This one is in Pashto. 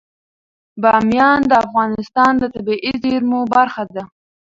بامیان د افغانستان د طبیعي زیرمو برخه ده.